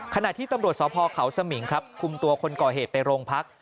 ขณะที่ตำรวจสพเขาสมิงครับคุมตัวคนก่อเหตุไปโรงพัก